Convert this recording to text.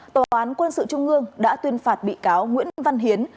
tòa án quân sự trung ương đã tuyên phạt bị cáo nguyễn văn hiến